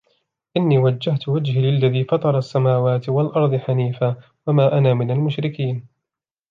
إني وجهت وجهي للذي فطر السماوات والأرض حنيفا وما أنا من المشركين